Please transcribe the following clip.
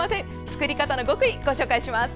作り方の極意、ご紹介します。